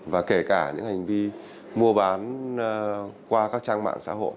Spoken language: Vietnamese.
và kể cả những hành vi mua bán qua các trang mạng xã hội